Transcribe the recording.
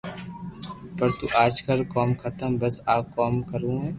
تو آج ڪر ڪوم ختم بس آ ڪروو ھي